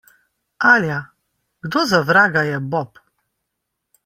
Alja, kdo za vraga je Bob?